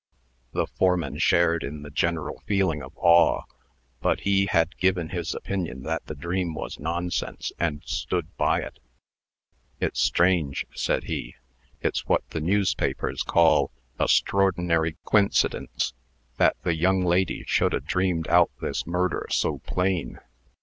The foreman shared in the general feeling of awe; but he had given his opinion that the dream was nonsense, and stood by it. "It's strange," said he. "It's what the newspapers call a 'strordinary quincidence,' that the young lady should 'a' dreamed out this murder so plain.